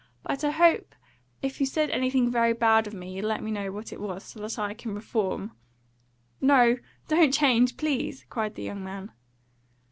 "But I hope if you said anything very bad of me you'll let me know what it was, so that I can reform " "No, don't change, please!" cried the young man.